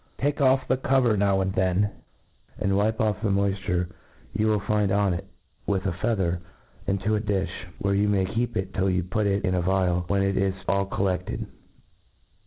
Take oflF the cover now and then, and wipe off the moifture you will find on it, with a feather, into a difh, where you may keep it till you put it in a vial, when it is all coUefted.